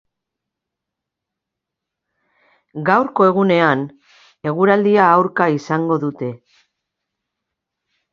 Gaurko egunean, eguraldia aurka izango dute.